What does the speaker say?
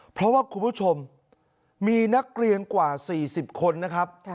เพราะว่าคุณผู้ชมมีนักเรียนกว่า๔๐คนนะครับ